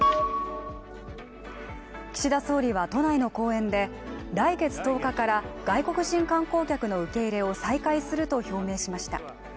岸田総理は都内の講演で、来月１０日から外国人観光客の受け入れを再開すると表明しました。